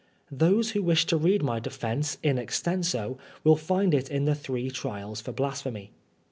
Those who wish to read my defence in extenso will find it in the " Three Trials for Blasphemy."